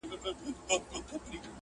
لښکر پردی وي خپل پاچا نه لري.!